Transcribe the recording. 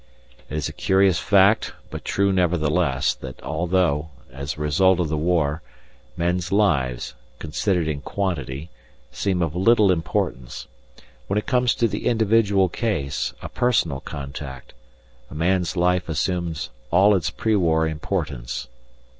It is a curious fact, but true, nevertheless, that although, as a result of the war, men's lives, considered in quantity, seem of little importance, when it comes to the individual case, a personal contact, a man's life assumes all its pre war importance.